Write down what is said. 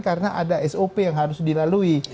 karena ada sop yang harus dilalui